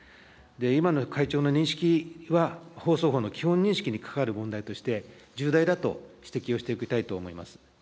今の会長の認識は、放送法の基本認識に関わる問題として、重大だと指摘をしておきたいと思います。